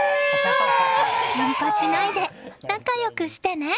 けんかしないで仲良くしてね。